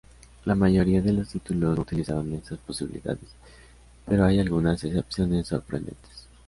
La mayoría de los títulos no utilizaron estas posibilidades, pero hay algunas excepciones sorprendentes.